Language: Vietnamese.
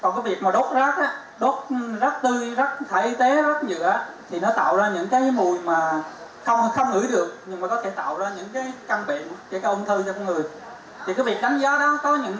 nó tạo ra những cái mùi mà không ngửi được nhưng mà có thể tạo ra những cái căng biện những cái ôn thư cho con người